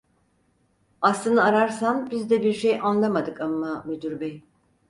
Aslını ararsan biz de bir şey anlamadık amma, müdür bey…